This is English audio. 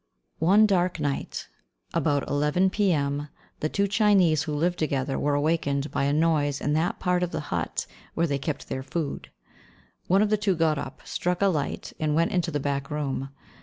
One dark night, about 11 P.M., the two Chinese who lived together were awakened by a noise in that part of the hut where they kept their food. One of the two got up, struck a light, and went into the back room.